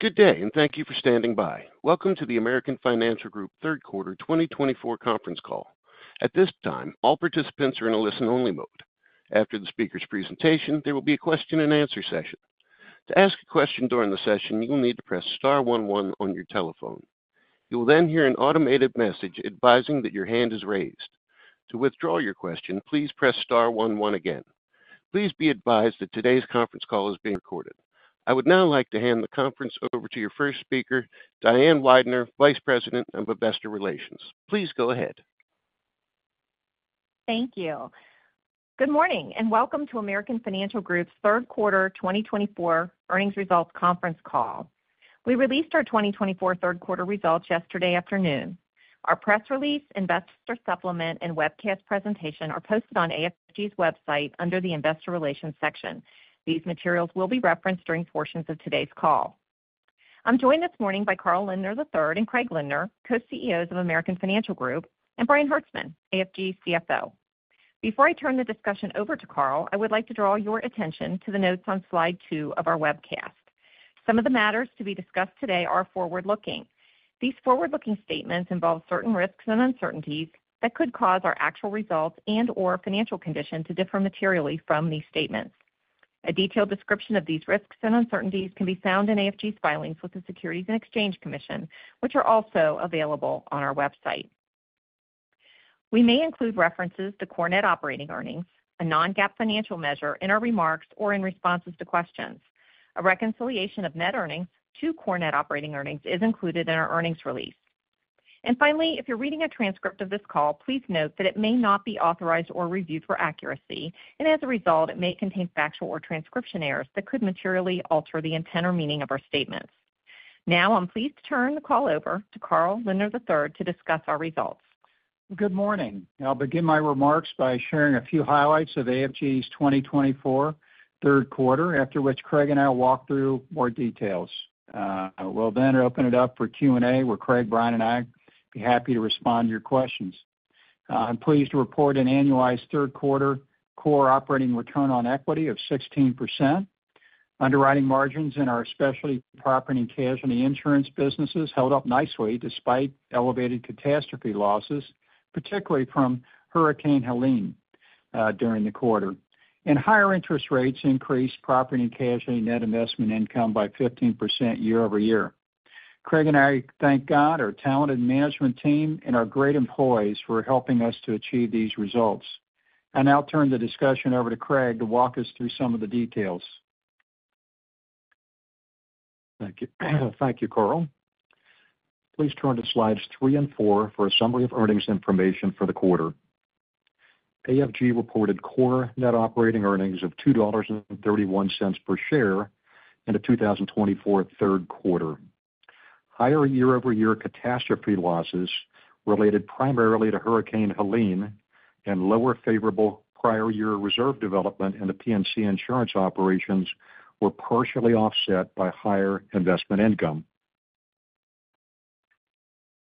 Good day and thank you for standing by. Welcome to the American Financial Group third quarter 2024 conference call. This time, all participants are in a listen-only mode. After the speaker's presentation, there will be a question-and-answer session. To ask a question during the session, you will need to press star one one on your telephone. You will then hear an automated message advising that your hand is raised to withdraw your question, please press star one one again. Please be advised that today's conference call is being recorded. I would now like to hand the conference over to your first speaker, Diane Weidner, Vice President of Investor Relations. Please go ahead. Thank you. Good morning, and welcome to American Financial Group's third quarter 2024 earnings results conference call. We released our 2024 third-quarter results yesterday afternoon. Our press release, investor supplement and webcast presentation are posted on AFG's website under the Investor Relations section. These materials will be referenced during portions of today's call. I'm joined this morning by Carl Lindner III and Craig Lindner, Co-CEOs of American Financial Group, and Brian Hertzman, AFG CFO. Before I turn the discussion over to Carl, I would like to draw your attention to the notes on slide two of our webcast. Some of the matters to be discussed today are forward-looking. These forward-looking statements involve certain risks and uncertainties that could cause our actual results and/or financial condition to differ materially from these statements. A detailed description of these risks and uncertainties can be found in AFG's filings with the Securities and Exchange Commission, which are also available on our website. We may include references to core net operating earnings, a non-GAAP financial measure, in our remarks or in responses to questions. A reconciliation of net earnings to core net operating earnings is included in our earnings release. And finally, if you're reading a transcript of this call, please note that it may not be authorized or reviewed for accuracy and as a result it may contain factual or transcription errors that could materially alter the intent or meaning of our statements. Now, I'm pleased to turn the call over to Carl Lindner III to discuss our results. Good morning. I'll begin my remarks by sharing a few highlights of AFG's 2024 third quarter, after which Craig and I will walk through more details. We'll then open it up for Q&A where Craig, Brian and I be happy to respond to your questions. I'm pleased to report an annualized third quarter core operating return on equity of 16%. Underwriting margins in our Specialty Property and Casualty insurance businesses held up nicely despite elevated catastrophe losses, particularly from Hurricane Helene during the quarter, and higher interest rates increased property and casualty net investment income by 15% year-over-year. Craig and I thank God, our talented management team and our great employees for helping us to achieve these results. I now turn the discussion over to Craig to walk us through some of the details. Thank you, Carl. Please turn to slides three and four for a summary of earnings information for the quarter. AFG reported core net operating earnings of $2.31 per share in the 2024 third quarter. Higher year-over-year catastrophe losses were related primarily to Hurricane Helene, and lower favorable prior year reserve development in the P&C insurance operations were partially offset by higher investment income.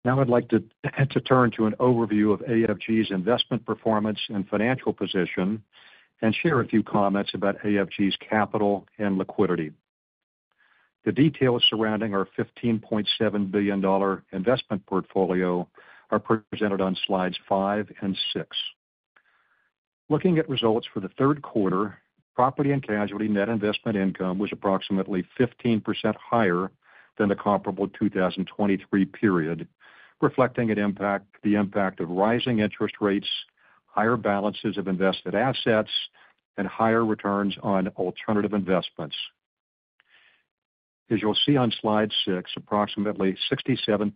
Now, I'd like to turn to an overview of AFG's investment performance and financial position and share a few comments about AFG's capital and liquidity. The details surrounding our $15.7 billion investment portfolio are presented on slides five and six. Looking at results for the third quarter, property and casualty net investment income was approximately 15% higher than the comparable 2023 period, reflecting the impact of rising interest rates, higher balances of invested assets, and higher returns on alternative investments. As you'll see on slide six, approximately 67%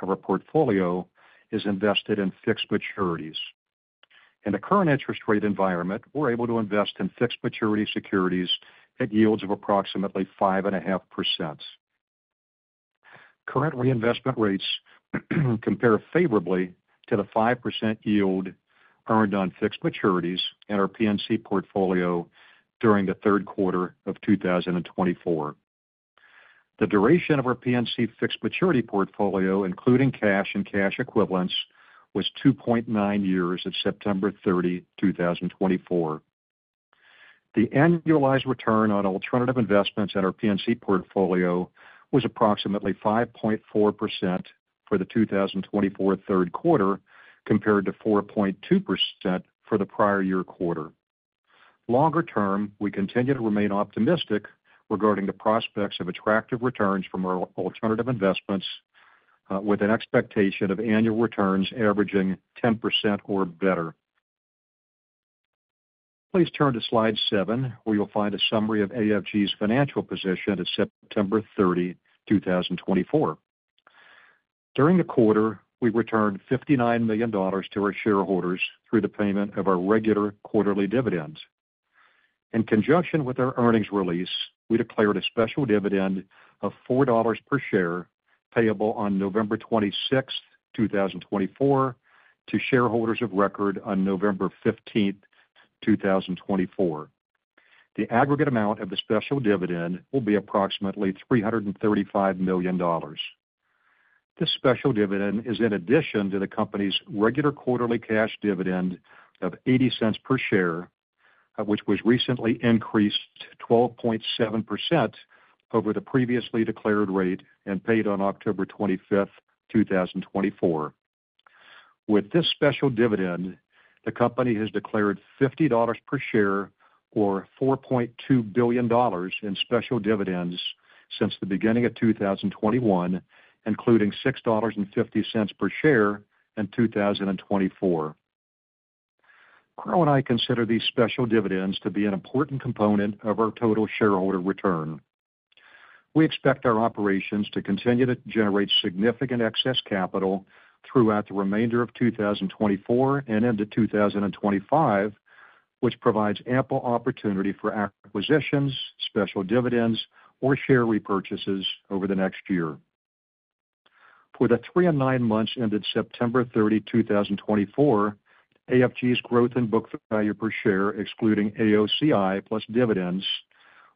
of our portfolio is invested in fixed maturities. In the current interest rate environment, we're able to invest in fixed maturity securities at yields of approximately 5.5%. Current reinvestment rates compare favorably to the 5% yield earned on fixed maturities in our P&C portfolio. During the third quarter of 2024, the duration of our P&C fixed maturity portfolio, including cash and cash equivalents, was 2.9 years. At September 30, 2024, the annualized return on alternative investments in our P&C portfolio was approximately 5.4% for the 2024 third quarter, compared to 4.2% for the prior year quarter. Longer term, we continue to remain optimistic regarding the prospects of attractive returns from our alternative investments, with an expectation of annual returns averaging 10% or better. Please turn to Slide 7 where you'll find a summary of AFG's financial position at September 30, 2024. During the quarter, we returned $59 million to our shareholders through the payment of our regular quarterly dividends. In conjunction with our earnings release, we declared a special dividend of $4.00 per share payable on November 26, 2024 to shareholders of record. On November 15, 2024, the aggregate amount of the special dividend will be approximately $335 million. This special dividend is in addition to the company's regular quarterly cash dividend of $0.80 per share, which was recently increased 12.7% over the previously declared rate and paid on October 25, 2024. With this special dividend, the company has declared $50 per share, or $4.2 billion in special dividends since the beginning of 2021, including $6.50 per share in 2024. Craig and I consider these special dividends to be an important component of our total shareholder return. We expect our operations to continue to generate significant excess capital throughout the remainder of 2024 and into 2025, which provides ample opportunity for acquisitions, special dividends or share repurchases over the next year. For the three and nine months ended September 30, 2024, AFG's growth in book value per share, excluding AOCI plus dividends,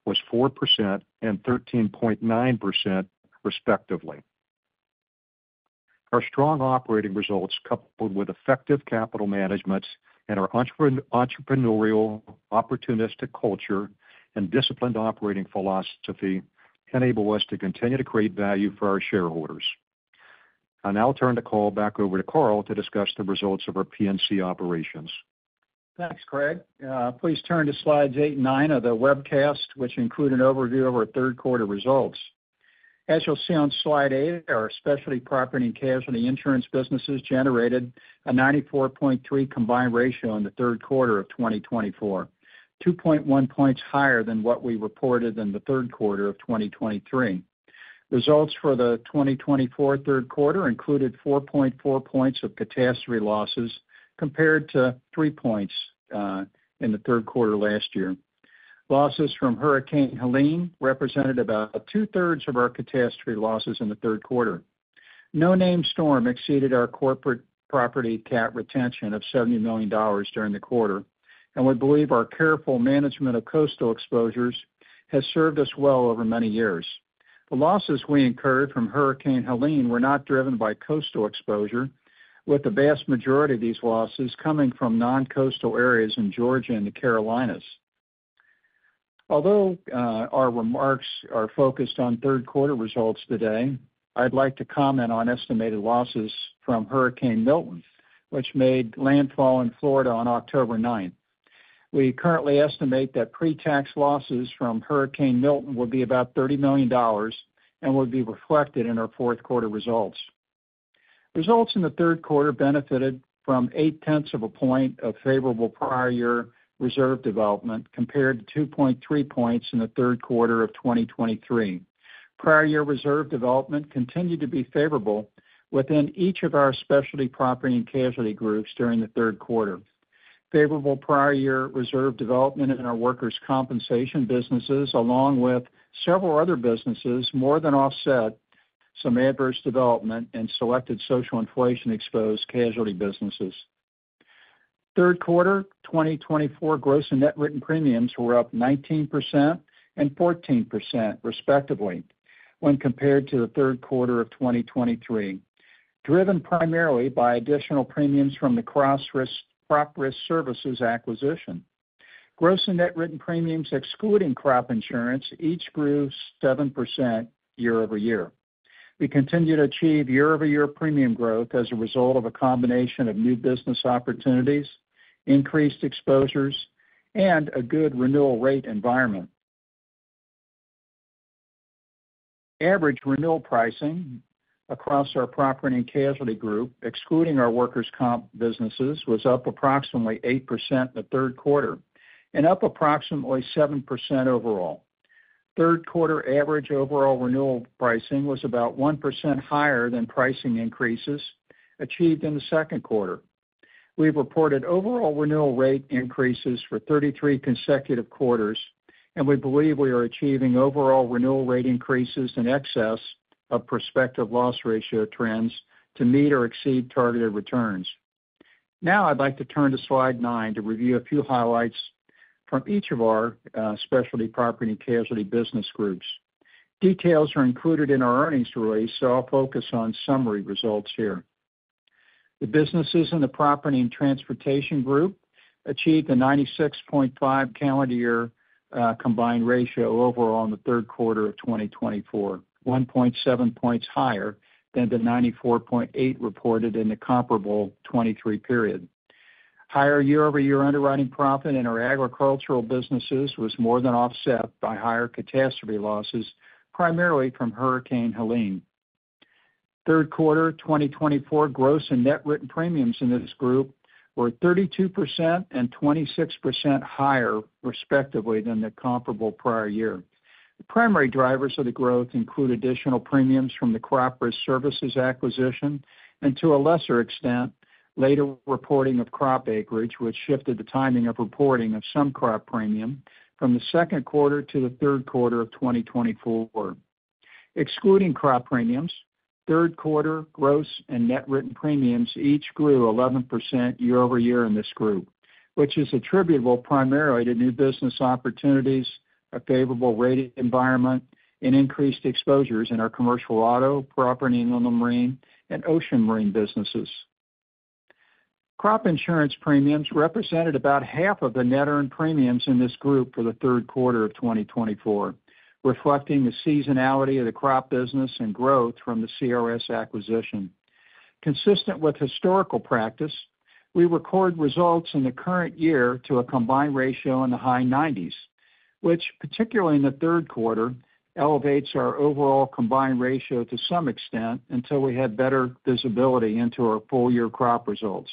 was 4% and 13.9%, respectively. Our strong operating results, coupled with effective capital management and our entrepreneurial opportunistic culture and disciplined operating philosophy enable us to continue to create value for our shareholders. I'll now turn the call back over to Carl to discuss the results of our P&C operations. Thanks, Craig. Please turn to slides eight and nine of the webcast which include an overview of our third quarter results. As you'll see on slide eight, our Specialty Property and Casualty Insurance businesses generated a 94.3 combined ratio in the third quarter of 2024, 2.1 points higher than what we reported in the third quarter of 2023. Results for the 2024 third quarter included 4.4 points of catastrophe losses compared to three points in the third quarter last year. Losses from Hurricane Helene represented about 2/3 of our catastrophe losses in the third quarter. No named storm exceeded our corporate property cat retention of $70 million during the quarter and we believe our careful management of coastal exposures has served us well over many years. The losses we incurred from Hurricane Helene were not driven by coastal exposure, with the vast majority of these losses coming from non-coastal areas in Georgia and the Carolinas. Although our remarks are focused on third quarter results today, I'd like to comment on estimated losses from Hurricane Milton which made landfall in Florida on October 9th. We currently estimate that pre-tax losses from Hurricane Milton will be about $30 million and would be reflected in our fourth quarter results. Results in the third quarter benefited from 8.1 of a point of favorable prior year reserve development compared to 2.3 points in the third quarter of 2023. Prior year reserve development continued to be favorable within each of our Specialty Property and Casualty groups during the third quarter favorable. Prior year reserve development in our workers' compensation businesses along with several other businesses more than offset some adverse development and selected social inflation exposed casualty businesses. Third quarter 2024 gross and net written premiums were up 19% and 14% respectively when compared to the third quarter of 2023, driven primarily by additional premiums from the Crop Risk Services acquisition. Gross and net written premiums excluding crop insurance each grew 7% year-over-year. We continue to achieve year-over-year premium growth as a result of a combination of new business opportunities, increased exposures and a good renewal rate environment. Average renewal pricing across our property and casualty group excluding our workers' comp businesses was up approximately 8% in the third quarter and up approximately 7% overall. Third quarter average overall renewal pricing was about 1% higher than pricing increases achieved in the second quarter. We've reported overall renewal rate increases for 33 consecutive quarters and we believe we are achieving overall renewal rate increases in excess of prospective loss ratio trends to meet or exceed targeted returns. Now, I'd like to turn to slide nine to review a few highlights from each of our Specialty Property and Casualty business groups. Details are included in our earnings release, so I'll focus on summary results here. The businesses in the Property and Transportation Group achieved a 96.5 calendar year combined ratio overall in the third quarter of 2024, 1.7 points higher than the 94.8 reported in the comparable 2023 period. Higher year-over-year underwriting profit in our agricultural businesses was more than offset by higher catastrophe losses, primarily from Hurricane Helene. Third quarter 2024 gross and net written premiums in this group were 32% and 26% higher, respectively, than the comparable prior year. The primary drivers of the growth include additional premiums from the Crop Risk Services acquisition and to a lesser extent later reporting of crop acreage, which shifted the timing of reporting of some crop premium from the second quarter to the third quarter of 2024. Excluding crop premiums, third quarter gross and net written premiums each grew 11% year-over-year in this group, which is attributable primarily to new business opportunities, a favorable rate environment, and increased exposures in our commercial auto property, inland marine, and ocean marine businesses. Crop insurance premiums represented about half of the net earned premiums in this group for the third quarter of 2024, reflecting the seasonality of the crop business and growth from the CRS acquisition. Consistent with historical practice, we record results in the current year to a combined ratio in the high 90s, which particularly in the third quarter, elevates our overall combined ratio to some extent until we have better visibility into our full-year crop results.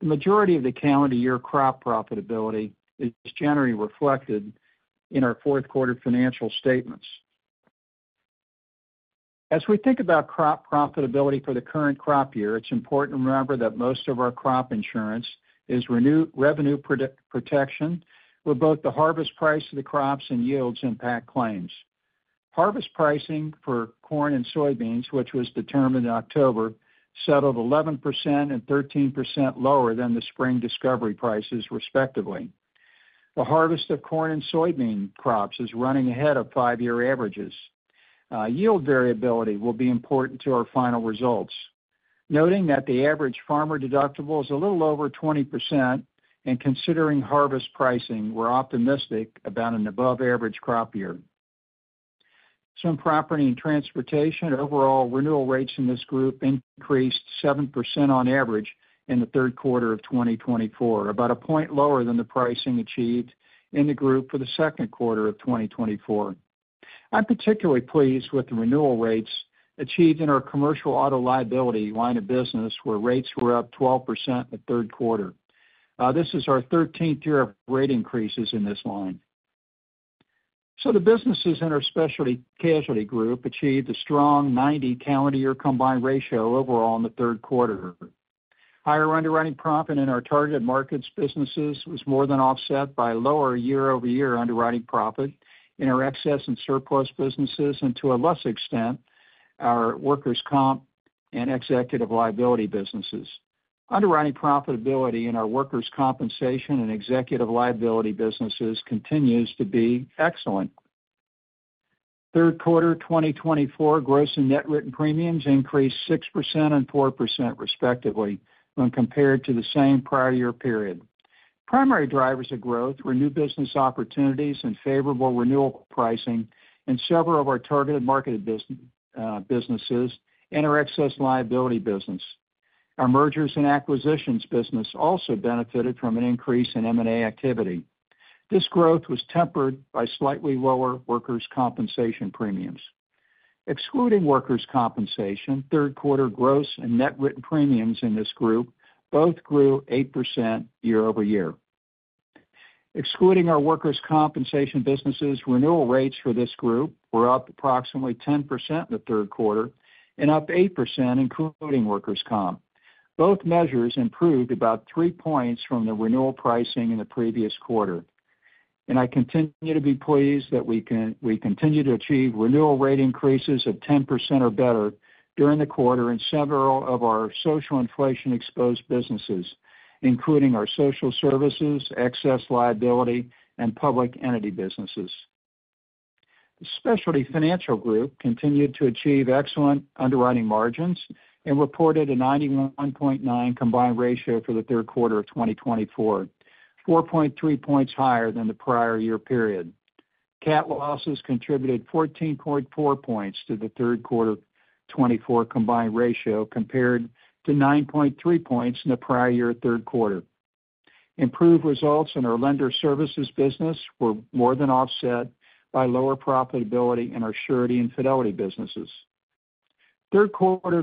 The majority of the calendar year crop profitability is generally reflected in our fourth quarter financial statements. As we think about crop profitability for the current crop year, it's important to remember that most of our crop insurance is revenue protection where both the harvest price of the crops and yields impact claims. Harvest pricing for corn and soybeans, which was determined in October, settled 11% and 13% lower than the spring discovery prices respectively. The harvest of corn and soybean crops is running ahead of five-year averages. Yield variability will be important to our final results, noting that the average farmer deductible is a little over 20% and considering harvest pricing, we're optimistic about an above average crop year in property and transportation. Overall renewal rates in this group increased 7% on average in the third quarter of 2024, about a point lower than the pricing achieved in the group for the second quarter of 2024. I'm particularly pleased with the renewal rates achieved in our commercial auto liability line of business where rates were up 12% in the third quarter. This is our 13th year of rate increases in this line, so the businesses in our Specialty Casualty Group achieved a strong 90 calendar year combined ratio overall in the third quarter. Higher underwriting profit in our Targeted Markets businesses was more than offset by lower year-over-year underwriting profit in our excess and surplus businesses, and to a lesser extent our workers' comp and executive liability businesses. Underwriting profitability in our workers' compensation and executive liability businesses continues to be excellent. Third quarter 2024 gross and net written premiums increased 6% and 4%, respectively, when compared to the same prior year period. Primary drivers of growth were new business opportunities and favorable renewal pricing in several of our Targeted Markets businesses and our excess liability business. Our mergers and acquisitions business also benefited from an increase in M&A activity. This growth was tempered by slightly lower workers' compensation premiums. Excluding workers' compensation. Third quarter gross and net written premiums in this group both grew 8% year-over-year. Excluding our workers' compensation businesses. Renewal rates for this group were up approximately 10% in the third quarter and up 8%, including workers' comp. Both measures improved about three points from the renewal pricing in the previous quarter, and I continue to be pleased that we continue to achieve renewal rate increases of 10% or better during the quarter in several of our social inflation-exposed businesses, including our Social Services, Excess Liability, and Public Entity businesses. The Specialty Financial Group continued to achieve excellent underwriting margins and reported a 91.9 combined ratio for the third quarter of 2024, 4.3 points higher than the prior year period. Cat losses contributed 14.4 points to the third quarter 2024 combined ratio compared to 9.3 points in the prior year. Third quarter improved results in our Lender Services business were more than offset by lower profitability in our Surety and Fidelity businesses. Third quarter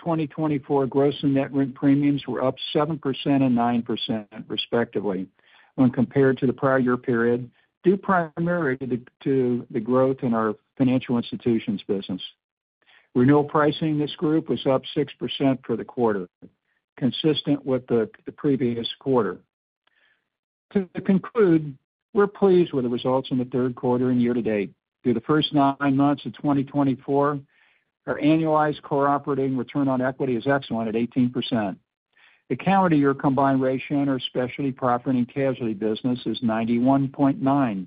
2024 gross and net written premiums were up 7% and 9% respectively when compared to the prior year period due primarily to the growth in our Financial Institutions business. Renewal pricing, this group was up 6% for the quarter, consistent with the previous quarter. To conclude, we're pleased with the results in the third quarter and year to date. Through the first nine months of 2024, our annualized core operating return on equity is excellent at 18%. The calendar year combined ratio in our Specialty Property and Casualty business is 91.9%,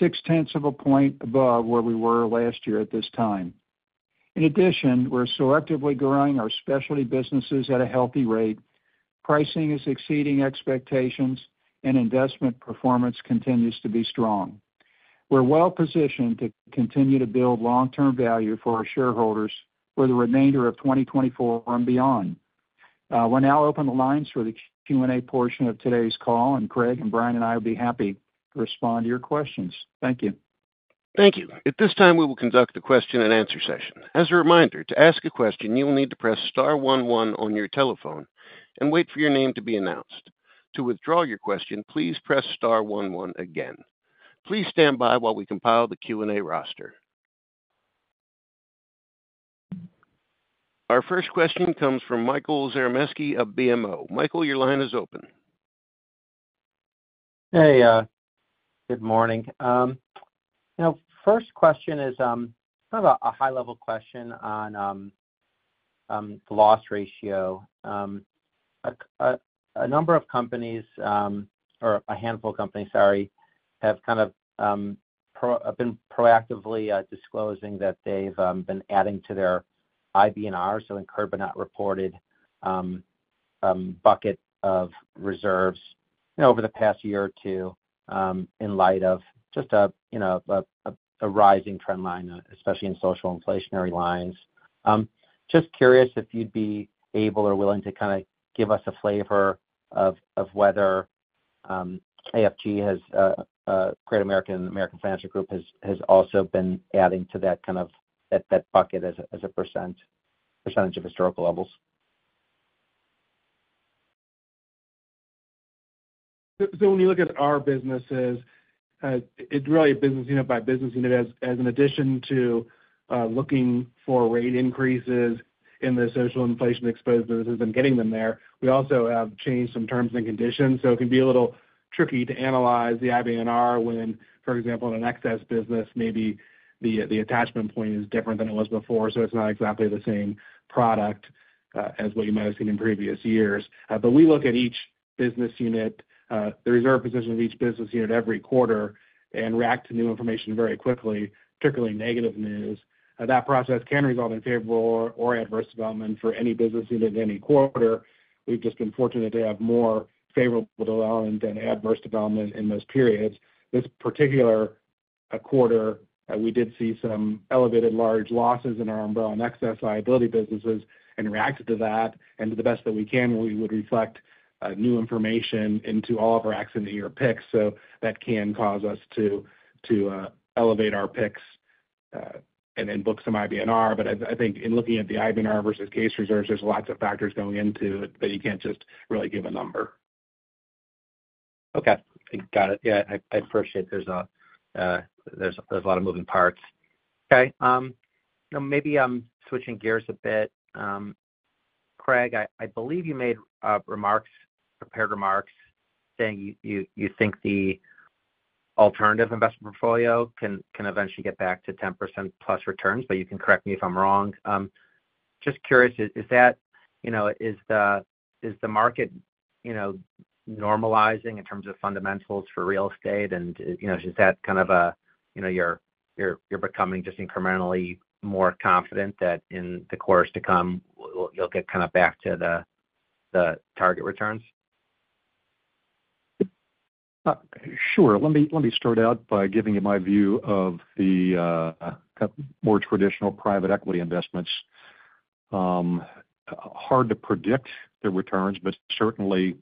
6.10 of a point above where we were last year at this time. In addition, we're selectively growing our Specialty businesses at a healthy rate. Pricing is exceeding expectations and investment performance continues to be strong. We're well positioned to continue to build long-term value for our shareholders for the remainder of 2024 and beyond. We'll now open the lines for the Q and A portion of today's call and Craig and Brian and I will be happy to respond to your questions. Thank you. Thank you. At this time we will conduct a question-and-answer session. As a reminder to ask a question, you will need to press Star 11 on your telephone and wait for your name to be announced. To withdraw your question, please press star one one again. Please stand by while we compile the. Q&A roster. Our first question comes from Michael Zaremski of BMO. Michael, your line is open. Hey, good morning. First question is a high-level question on loss ratio. A number of companies or a handful of companies, sorry, have kind of been proactively disclosing that they've been adding to their IBNR so incurred but not reported bucket of reserves over the past year or two in light of just a rising trend line, especially in social inflationary lines. Just curious if you'd be able or willing to kind of give us a flavor of whether American Financial Group has also been adding to that kind of bucket as a percentage of historical levels. So when you look at our businesses, it's really a business unit by business unit, as in addition to looking for rate increases in the social inflation exposed businesses and getting them there, we also have changed some terms and conditions, so it can be a little tricky to analyze the IBNR when, for example, in an excess business, maybe the attachment point is different than it was before. So it's not exactly the same product as what you might have seen in previous years. But we look at each business unit, the reserve position of each business unit every quarter and react to new information very quickly, particularly negative news. That process can result in favorable or adverse development for any business unit in any quarter. We've just been fortunate to have more favorable development and adverse development in those periods. This particular quarter we did see some elevated large losses in our umbrella and excess liability businesses and reacted to that and to the best that we can where we would reflect new information into all of our accident year picks. So that can cause us to elevate our picks and then book some IBNR. But, I think in looking at the IBNR versus case reserves, there's lots of factors going into that. You can't just really give a number. Okay, got it. Yeah, I appreciate there's a lot of moving parts. Okay, maybe I'm switching gears a bit. Craig, I believe you made remarks, prepared remarks, saying you think the alternative investment portfolio can eventually get back to 10%+ returns. But you can correct me if I'm wrong. Just curious, is that, you know, is the market, you know, normalizing in terms of fundamentals for real estate and you know, is that kind of a, you know, you're becoming just incrementally more confident that in the course to come you'll get kind of back to the target returns? Sure. Let me start out by giving you my view of the more traditional private equity investments. Hard to predict the returns, but certainly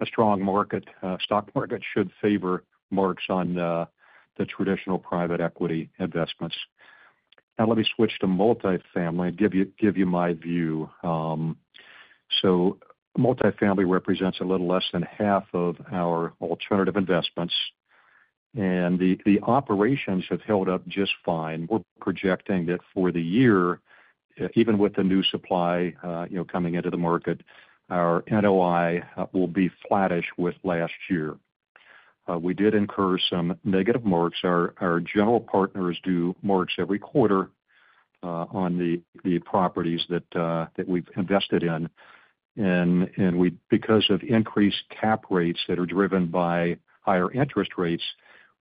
a strong market, stock market should favor marks on the traditional private equity investments. Now, let me switch to multifamily, give you my view. So multifamily represents a little less than half of our alternative investments and the operations have held up just fine. We're projecting that for the year. Even with the new supply coming into the market, our NOI will be flattish with last year. We did incur some negative marks. Our general partners do marks every quarter on the properties that we've invested in because of increased cap rates that are driven by higher interest rates.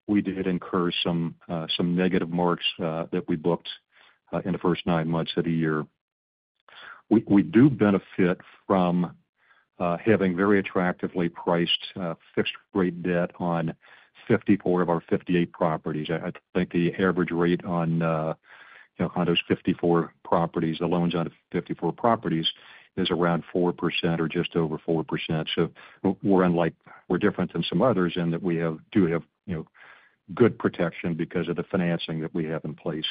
We did incur some negative marks that we booked in the first nine months of the year. We do benefit from having very attractively priced fixed-rate debt on 54 of our 58 properties. I think the average rate on those 54 properties, the loans on 54 properties, is around 4% or just over 4%. So we're unlike, we're different than some others in that we do have good protection because of the financing that we have in place.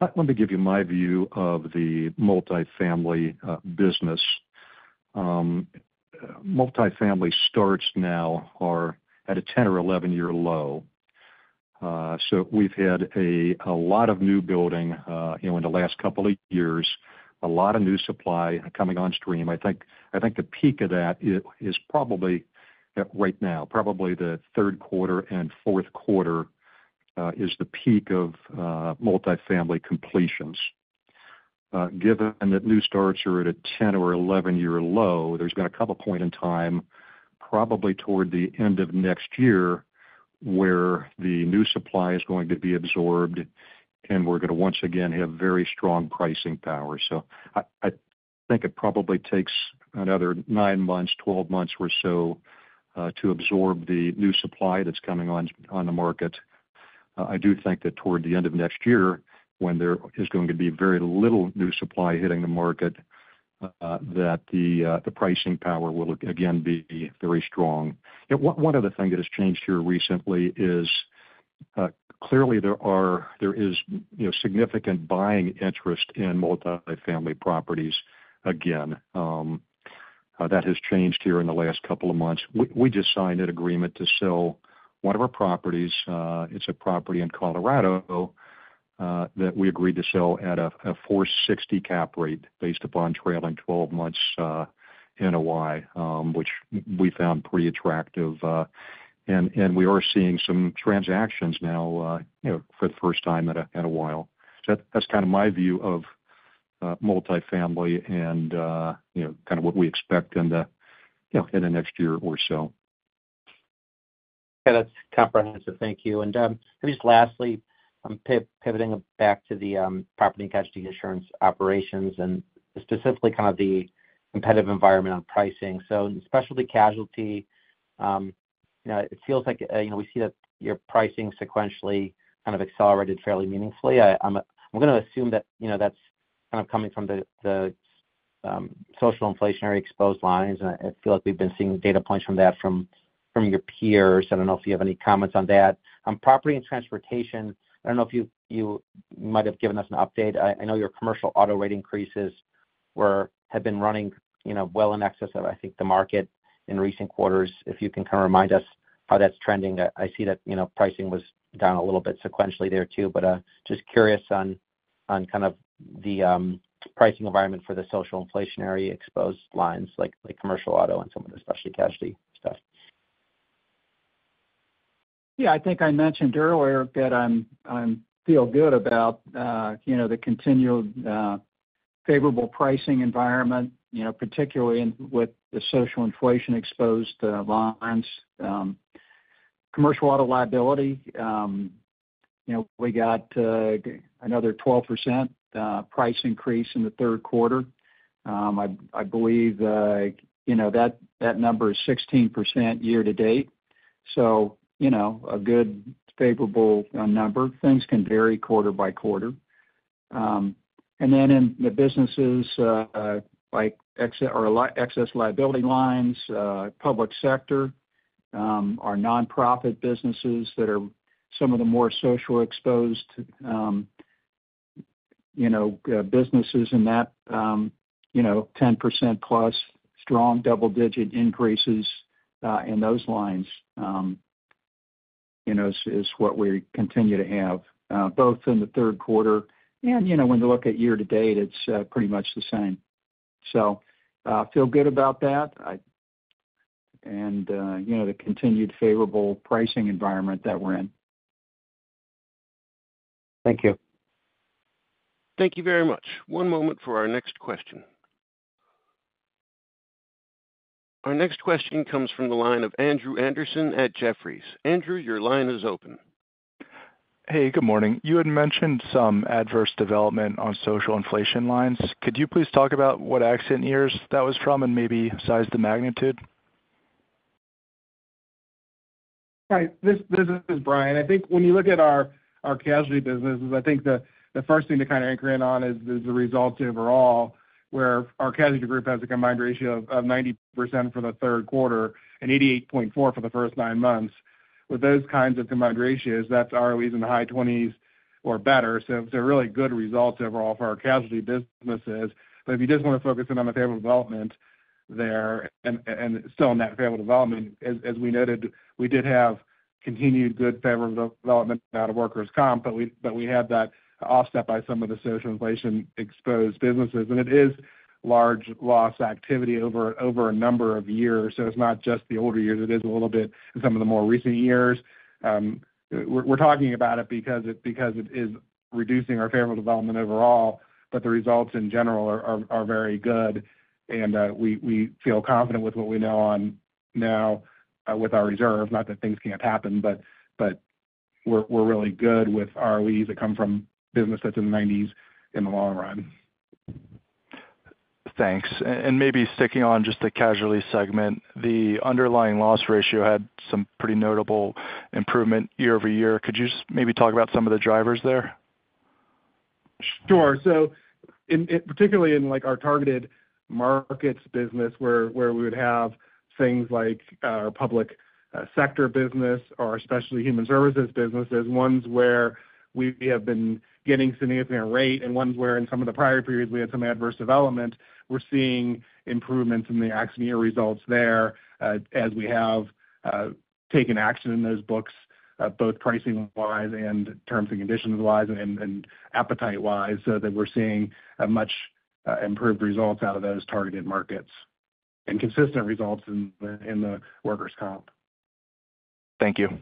Let me give you my view of the multifamily business. Multifamily starts now are at a 10- or 11-year low. So we've had a lot of new buildings in the last couple of years, a lot of new supply coming on stream. I think, I think the peak of that is probably right now, probably the third quarter and fourth quarter is the peak of multifamily completions. Given that new starts are at a 10- or 11-year low, there's got to be a couple points in time, probably toward the end of next year where the new supply is going to be absorbed and we're going to once again have very strong pricing power. So I think it probably takes another nine months, 12 months or so to absorb the new supply that's coming on the market. I do think that toward the end of next year when there is going to be very little new supply hitting the market, that the pricing power will again be very strong. One other thing that has changed here recently is clearly there is, you know, significant buying interest in multifamily properties. Again that has changed here in the last couple of months. We just signed an agreement to sell one of our properties. It's a property in Colorado that we agreed to sell at a 4.6% cap rate based upon trailing twelve months NOI, which we found pretty attractive, and we are seeing some transactions now, you know, for the first time in a while, so that's kind of my view of multifamily and you know, kind of what we expect in the, you know, in the next year or so. Yeah, that's comprehensive. Thank you. And just lastly, I'm pivoting back to the property and casualty insurance operations and specifically kind of the competitive environment on pricing so specialty casualty. It feels like we see that your pricing sequentially kind of accelerated fairly meaningfully. I'm going to assume that that's kind of coming from the social inflation-exposed lines and I feel like we've been seeing data points from that from your peers. I don't know if you have any comments on that. Property and transportation, I don't know if you might have given us an update. I know your commercial auto rate increases were, have been running well in excess of, I think, the market in recent quarters. If you can kind of remind us how that's trending. I see that pricing was down a little bit sequentially there too. But just curious on kind of the pricing environment for the social inflation-exposed lines like commercial auto and some of the specialty casualty stuff. Yeah, I think I mentioned earlier that I feel good about, you know, the continued favorable pricing environment, you know, particularly with the social inflation-exposed lines, commercial auto, liability, you know, we got another 12% price increase in the third quarter. I believe you know that number is 16% year-to-date. So you know, a good favorable number. Things can vary quarter by quarter. And then in the businesses like excess liability lines, public sector, our nonprofit businesses that are some of the more social-exposed. You know, businesses in that, you know, 10%+ strong double-digit increases and those lines is what we continue to have both in the third quarter and when you look at year-to-date, it's pretty much the same. So I feel good about that and the continued favorable pricing environment that we're in. Thank you. Thank you very much. One moment for our next question. Our next question comes from the line of Andrew Anderson at Jefferies. Andrew, your line is open. Hey, good morning. You had mentioned some adverse development on social inflation lines. Could you please talk about what accident years that was from and maybe size the magnitude? Hi, this is Brian. I think when you look at our casualty businesses, I think the first thing to kind of anchor in on is the results overall, where our casualty group has a combined ratio of 90% for the third quarter and 88.4% for the first nine months. With those kinds of combined ratios, that's ROEs in the high 20s or better. So they're really good results overall for our casualty businesses. But if you just want to focus in on the favorable development there, and still in that favorable development, as we noted, we did have continued good favorable development out of workers comp. But we had that offset by some of the social inflation exposed businesses and it is large loss activity over a number of years. So it's not just the older years, it is a little bit in some of the more recent years. We're talking about it because it is reducing our favorable development overall. But the results in general are very good and we feel confident with what we know now with our reserve. Not that things can't happen, but we're really good with ROEs that come from business that's in the 90s in the long run. Thanks. Maybe sticking on just the casualty segment, the underlying loss ratio had some pretty notable improvement year-over-year. Could you maybe talk about some of the drivers there? Sure. Particularly in our targeted markets business, where we would have things like our public sector business or especially human services businesses, ones where we have been getting significant rate and ones where in some of the prior periods we had some adverse development. We're seeing improvements in the accident year results there as we have taken action in those books both pricing wise and terms and conditions wise and appetite wise so that we're seeing much improved results out of those targeted markets and consistent results in the workers comp. Thank you.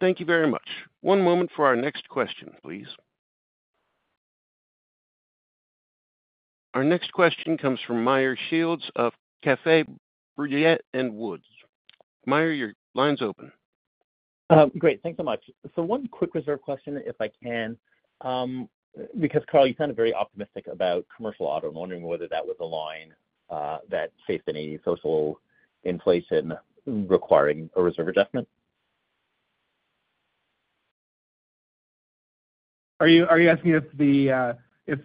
Thank you very much. One moment for our next question please. Our next question comes from Meyer Shields of Keefe, Bruyette & Woods. Meyer, your line is open. Great, thanks so much. So one quick reserve question if I can because Carl, you sounded very optimistic about commercial auto. I'm wondering whether that was a line that faced any social inflation requiring a reserve adjustment? Are you asking if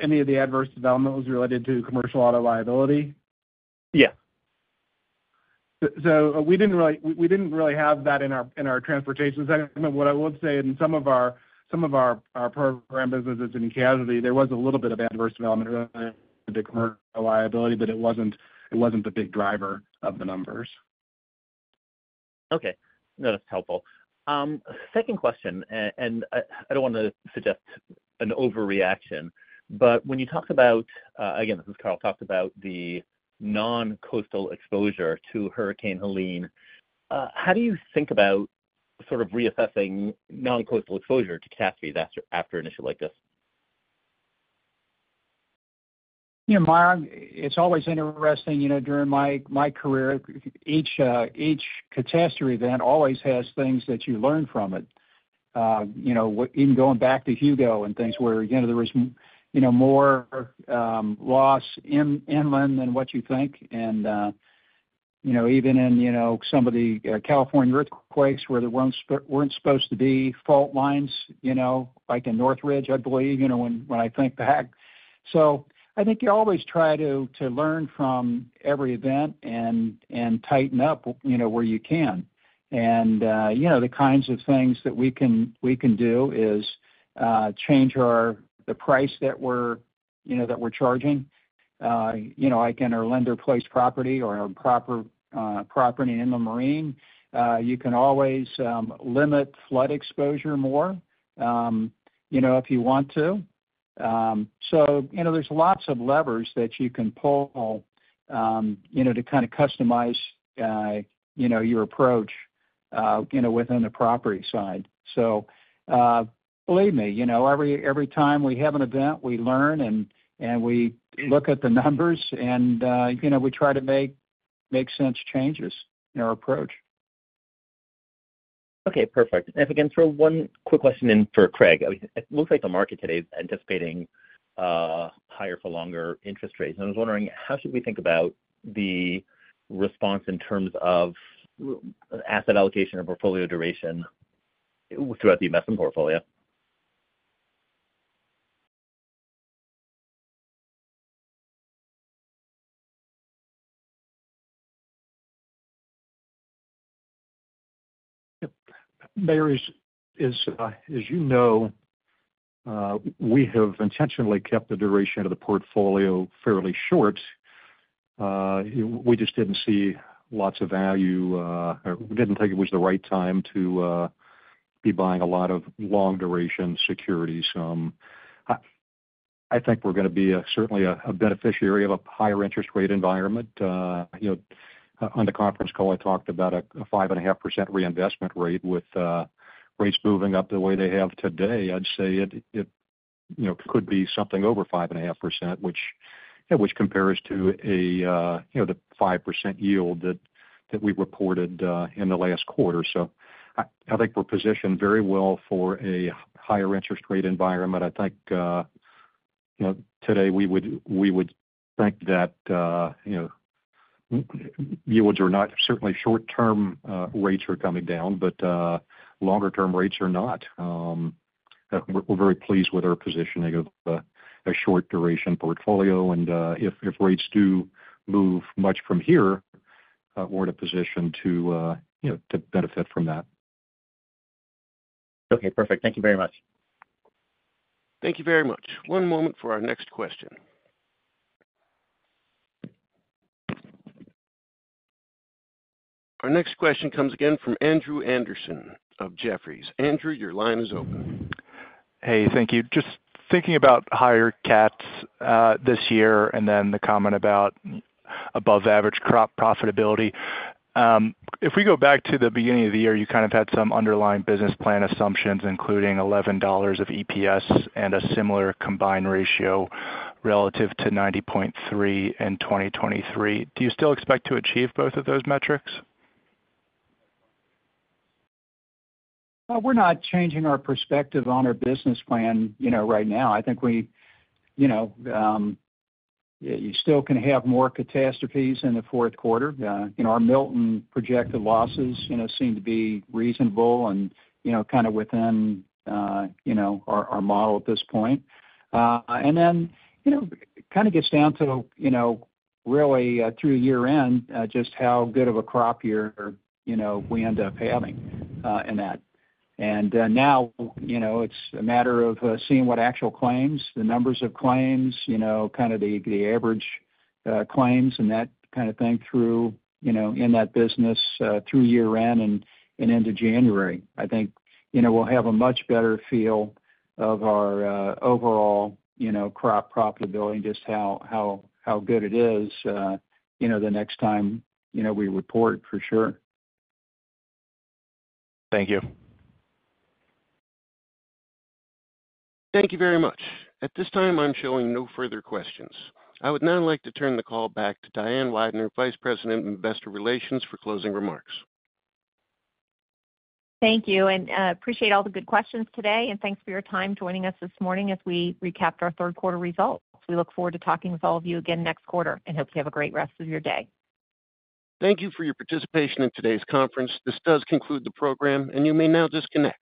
any of the adverse development was related to commercial auto liability? Yeah. So we didn't really have that in our transportation segment. What I would say in some of our program businesses in casualty there was a little bit of adverse development liability, but it wasn't the big driver of the numbers. Okay, no, that's helpful. Second question, and I don't want to suggest an overreaction, but when you talk about, again, as Carl talked about, the non-coastal exposure to Hurricane Helene. How do you think about sort of reassessing non-coastal exposure to catastrophes after an issue like this? You know, Meyer, it's always interesting. You know, during my career each catastrophe event always has things that you learn from it. You know, even going back to Hugo and things where you know, there was, you know, more loss inland than what you think and you know, even in, you know, some of the California earthquakes where there weren't supposed to be fault lines, you know, like in Northridge I believe, you know, when I think back. So I think you always try to learn from every event and tighten up, you know where you can and you know, the kinds of things that we can do is change our, the price that we're charging. We can alter our lender-placed property or property in the marine. You can always limit flood exposure more if you want to. So there's lots of levers that you can pull to kind of customize your approach within the property side. So believe me, you know, every time we have an event we learn and we look at the numbers and you know, we try to make some changes in our approach. Okay, perfect. If I can throw one quick question in for Craig. It looks like the market today is anticipating higher for longer interest rates and I was wondering how should we think about the response in terms of asset allocation or portfolio duration throughout the investment portfolio? Meyer, as you know, we have intentionally kept the duration of the portfolio fairly short. We just didn't see lots of value. We didn't think it was the right time to be buying a lot of long-duration securities. I think we're going to be certainly a beneficiary of a higher interest rate environment. On the conference call I talked about a 5.5% reinvestment rate with rates moving up the way they have today. I'd say it, you know, could be something over 5.5%, which compares to a, you know, the 5% yield that we reported in the last quarter. So I think we're positioned very well for a higher interest rate environment. I think, you know, today we would, we would think that, you know, yields are not, certainly short term rates are coming down, but longer term rates are not very pleased with our positioning of a short duration portfolio. And if rates do move much from here, we're in a position to benefit from that. Okay, perfect. Thank you very much. Thank you very much. One moment for our next question. Our next question comes again from Andrew Anderson of Jefferies. Andrew, your line is open. Hey, thank you. Just thinking about higher cats this year and then the comment about above-average crop profitability. If we go back to the beginning of the year, you kind of had some underlying business plan assumptions including $11 of EPS and a similar combined ratio relative to 90.3% in 2023. Do you still expect to achieve both of those metrics? We're not changing our perspective on our business plan. You know, right now I think we, you know, you still can have more catastrophes in the fourth quarter. You know, our Milton projected losses, you know, seem to be reasonable, and you know, kind of within, you know, our model at this point. Then, you know, kind of gets down to, you know, really through year-end, just how good of a crop year, you know, we end up having in that. And now, you know, it's a matter of seeing what actual claims, the numbers of claims, you know, kind of the average claims, and that kind of thing through, you know, in that business through year-end and into January. I think, you know, we'll have a much better feel of our overall, you know, crop profitability and just how good it is, you know, the next time, you know, we report for sure. Thank you. Thank you very much. At this time, I'm showing no further questions. I would now like to turn the call back to Diane Weidner, Vice President, Investor Relations, for closing remarks. Thank you and appreciate all the good questions today, and thanks for your time joining us this morning as we recapped our third quarter results. We look forward to talking with all of you again next quarter and hope you have a great rest of your day. Thank you for your participation in today's conference. This does conclude the program, and you may now disconnect.